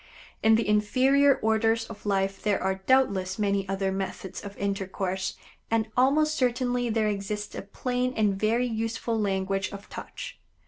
In the inferior orders of life there are doubtless many other methods of intercourse, and almost certainly there exists a plain and very useful language of touch.